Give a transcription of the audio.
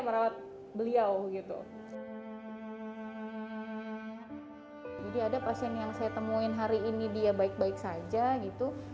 merawat beliau gitu jadi ada pasien yang saya temuin hari ini dia baik baik saja gitu